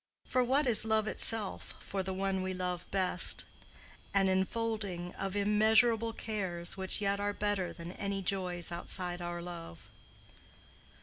For what is love itself, for the one we love best?—an enfolding of immeasurable cares which yet are better than any joys outside our love.